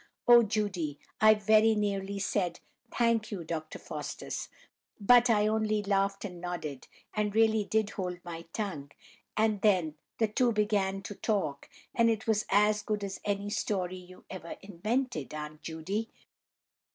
Oh, Judy, I very nearly said 'Thank you, Dr. Faustus,' but I only laughed and nodded, and really did hold my tongue; and then the two began to talk, and it was as good as any story you ever invented, Aunt Judy.